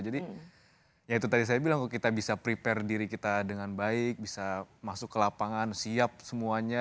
jadi ya itu tadi saya bilang kok kita bisa prepare diri kita dengan baik bisa masuk ke lapangan siap semuanya